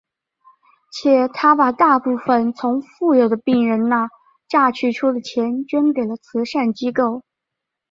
且他把大部分从富有的病人那榨取出的钱捐给了慈善机构。